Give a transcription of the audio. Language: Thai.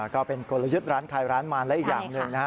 ก็เป็นกลยุทธ์ร้านขายร้านมันและอีกอย่างหนึ่งนะครับ